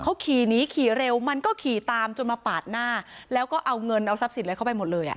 เขาขี่หนีขี่เร็วมันก็ขี่ตามจนมาปาดหน้าแล้วก็เอาเงินเอาทรัพย์สินอะไรเข้าไปหมดเลยอ่ะ